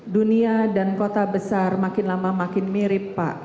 dunia dan kota besar makin lama makin mirip pak